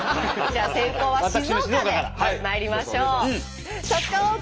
じゃあ先攻は静岡でまいりましょう。